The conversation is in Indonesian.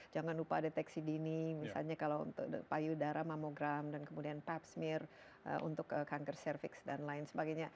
jangan lupa deteksi dini misalnya kalau untuk payudara mamogram dan kemudian pepsmir untuk kanker cervix dan lain sebagainya